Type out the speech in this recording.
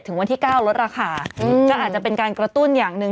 วันที่๙ลดราคาก็อาจจะเป็นการกระตุ้นอย่างหนึ่ง